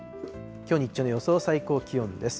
きょう日中の予想最高気温です。